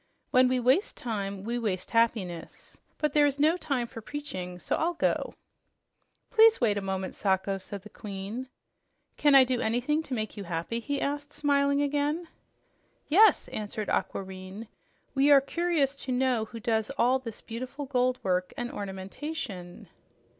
"When we waste time, we waste happiness. But there is no time for preaching, so I'll go." "Please wait a moment, Sacho," said the Queen. "Can I do anything to make you happy?" he asked, smiling again. "Yes," answered Aquareine. "We are curious to know who does all this beautiful gold work and ornamentation."